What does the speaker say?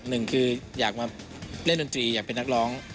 หนึ่งคืออยากมาเล่นดนตรีอยากเป็นนักร้อง